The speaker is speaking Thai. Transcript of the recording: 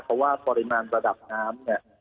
เพราะว่าปริมาณระดับน้ำเนี่ย